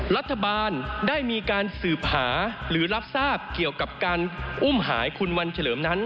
รัฐบาลได้มีการสืบหาหรือรับทราบเกี่ยวกับการอุ้มหายคุณวันเฉลิมนั้น